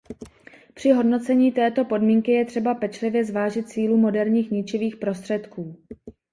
Při hodnocení této podmínky je třeba pečlivě zvážit sílu moderních ničivých prostředků.